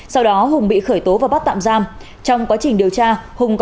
sau đó hùng bị khởi tố và bắt tạm giam